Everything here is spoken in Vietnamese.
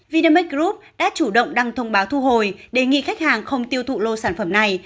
vinamic group đã chủ động đăng thông báo thu hồi đề nghị khách hàng không tiêu thụ lô sản phẩm này